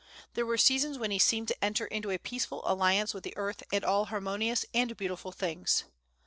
There were seasons when he seemed to enter into a peaceful alliance with earth and all harmonious and beautiful things.